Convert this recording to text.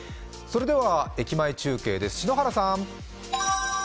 駅前中継です、篠原さん。